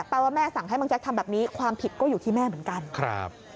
ว่าแม่สั่งให้บางแจ๊กทำแบบนี้ความผิดก็อยู่ที่แม่เหมือนกันครับ